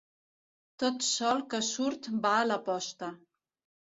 Tot sol que surt va a la posta.